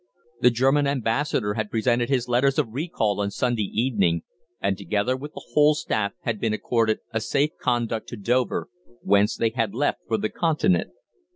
The German Ambassador had presented his letters of recall on Sunday evening, and together with the whole staff had been accorded a safe conduct to Dover, whence they had left for the Continent.